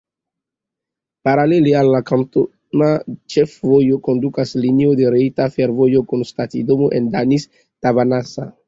Paralele al la kantona ĉefvojo kondukas linio de Retia Fervojo kun stacidomo en Danis-Tavanasa.